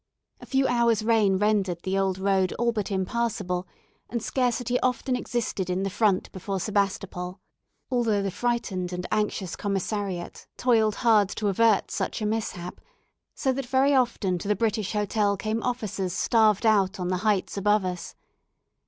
A few hours' rain rendered the old road all but impassable, and scarcity often existed in the front before Sebastopol, although the frightened and anxious Commissariat toiled hard to avert such a mishap; so that very often to the British Hotel came officers starved out on the heights above us.